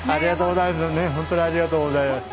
ありがとうございます。